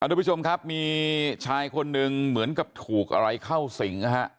ทุกผู้ชมครับมีชายคนหนึ่งเหมือนกับถูกอะไรเข้าสิงนะฮะ